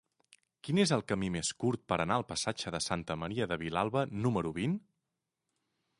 Quin és el camí més curt per anar al passatge de Santa Maria de Vilalba número vint?